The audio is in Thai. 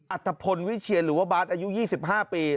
อัตภพลวิเชียรหรือว่าบาทอายุยี่สิบห้าปี